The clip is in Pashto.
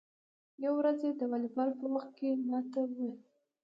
یوه ورځ یې د والیبال په وخت کې ما ته و ویل: